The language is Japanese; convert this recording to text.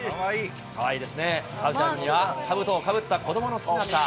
かわいいですね、スタジアムにはかぶとをかぶった子どもの姿。